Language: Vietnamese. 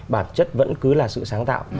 bản chất vẫn cứ là sự sáng tạo